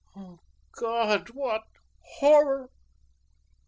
O God! what horror!"